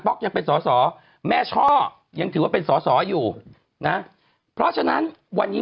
ยังเป็นสอสอแม่ช่อยังถือว่าเป็นสอสออยู่นะเพราะฉะนั้นวันนี้